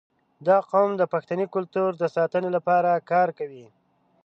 • دا قوم د پښتني کلتور د ساتنې لپاره کار کوي.